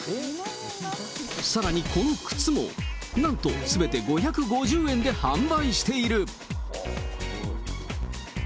さらにこの靴も、なんとすべて５５０円で販売している。